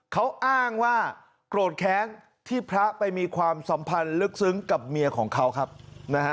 เขาอ้างว่าโกรธแค้นที่พระไปมีความสัมพันธ์ลึกซึ้งกับเมียของเขาครับนะฮะ